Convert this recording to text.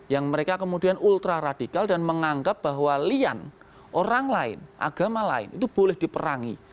yang mereka kemudian ultra radikal dan menganggap bahwa lian orang lain agama lain itu boleh diperangi